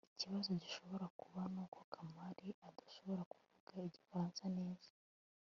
ikibazo gishobora kuba nuko kamali adashobora kuvuga igifaransa neza